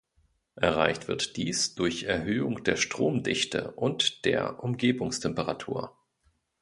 Erreicht wird dies durch Erhöhung der Stromdichte und der Umgebungstemperatur.